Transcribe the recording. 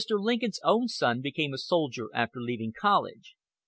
Lincoln's own son became a soldier after leaving college.